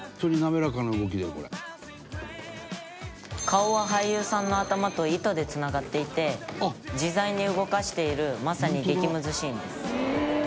「顔は俳優さんの頭と糸でつながっていて自在に動かしているまさに激ムズシーンです」